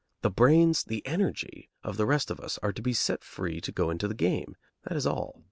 The brains, the energy, of the rest of us are to be set free to go into the game, that is all.